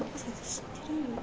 知ってるの？